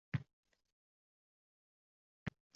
Keyin lash-lushini yig`ishtirib, onasinikiga ketdi